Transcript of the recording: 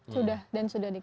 sudah dan sudah dikriminal